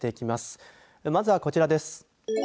まずは、こちらです。